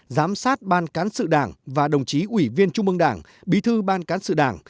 hai giám sát ban cán sự đảng và đồng chí ubkt bí thư ban cán sự đảng